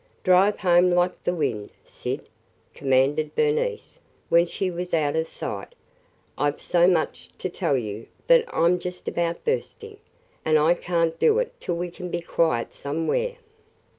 "Drive home like the wind, Syd!" commanded Bernice when she was out of sight. "I 've so much to tell you that I 'm just about bursting; and I can't do it till we can be quiet somewhere!"